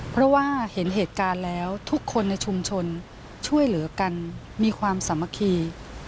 เพราะว่าเห็นเหตุการณ์แล้วทุกคนในชุมชนช่วยเหลือกันมีความสามัคคี